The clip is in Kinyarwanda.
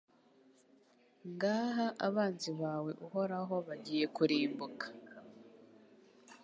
ngaha abanzi bawe Uhoraho bagiye kurimbuka